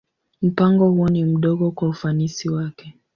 Mpango huo ni mdogo kwa ufanisi wake.